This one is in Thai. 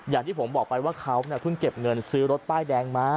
อย่างที่ผมบอกไปว่าเขาเพิ่งเก็บเงินซื้อรถป้ายแดงมา